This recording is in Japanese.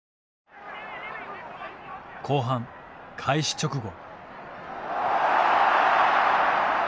後半開始直後。